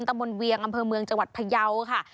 ตำบลเวียงอำเภอเมืองจังหวัดพยาวค่ะ